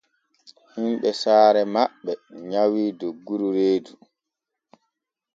Himɓe saare maɓɓe nyawii dogguru reedu.